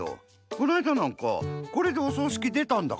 このあいだなんかこれでおそうしきでたんだから。